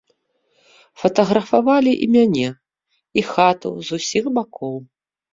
Фатаграфавалі і мяне, і хату з усіх бакоў.